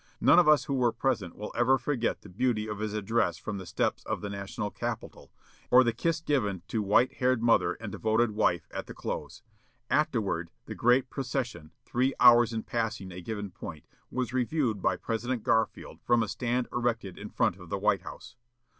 None of us who were present will ever forget the beauty of his address from the steps of the national Capitol, or the kiss given to white haired mother and devoted wife at the close. Afterward, the great procession, three hours in passing a given point, was reviewed by President Garfield from a stand erected in front of the White House.